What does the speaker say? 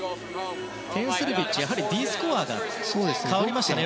テン・スルビッチは、やはりＤスコアが変わりましたね。